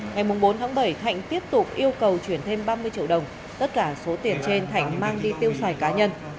ngày bốn tháng bảy thạnh tiếp tục yêu cầu chuyển thêm ba mươi triệu đồng tất cả số tiền trên thạnh mang đi tiêu xài cá nhân